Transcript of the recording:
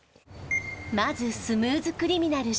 まず「スムーズ・クリミナル」